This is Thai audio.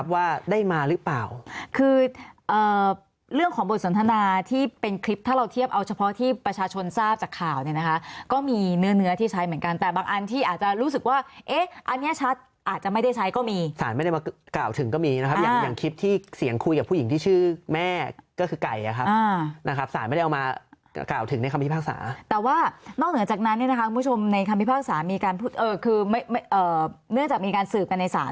ว่าได้มาหรือเปล่าคือเรื่องของบทสนทนาที่เป็นคลิปถ้าเราเทียบเอาเฉพาะที่ประชาชนทราบจากข่าวก็มีเนื้อที่ใช้เหมือนกันแต่บางอันที่อาจจะรู้สึกว่าอันนี้ชัดอาจจะไม่ได้ใช้ก็มีสารไม่ได้มากล่าวถึงก็มีนะครับอย่างคลิปที่เสียงคุยกับผู้หญิงที่ชื่อแม่ก็คือไก่นะครับสารไม่ได้เอามากล่าวถึ